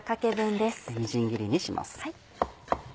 みじん切りにします。